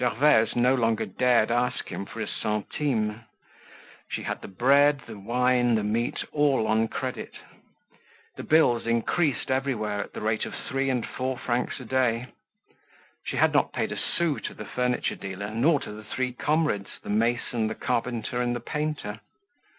Gervaise no longer dared ask him for a centime. She had the bread, the wine, the meat, all on credit. The bills increased everywhere at the rate of three and four francs a day. She had not paid a sou to the furniture dealer nor to the three comrades, the mason, the carpenter and the painter.